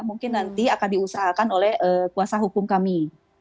mungkin nanti akan diusahakan oleh kuasa hukum kami